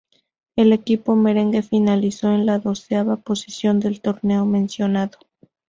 El equipo merengue finalizó en la doceava posición del torneo mencionado.